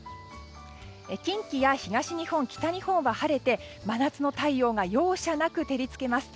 近畿や東日本、北日本は晴れて真夏の太陽が容赦なく照り付けます。